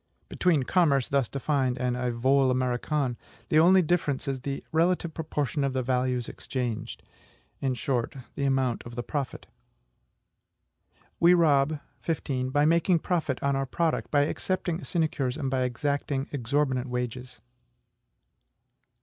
Between commerce thus defined and vol a l'americaine, the only difference is in the relative proportion of the values exchanged, in short, in the amount of the profit. We rob, 15. By making profit on our product, by accepting sinecures, and by exacting exorbitant wages.